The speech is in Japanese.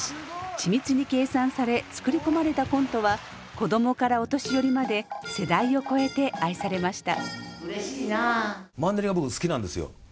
緻密に計算され作り込まれたコントは子供からお年寄りまで世代を超えて愛されました。